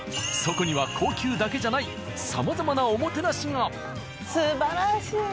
そこには高級だけじゃないさまざまなおもてなしが。